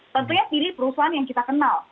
tentunya pilih perusahaan yang kita kenal